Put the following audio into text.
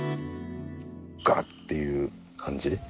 ガッていう感じ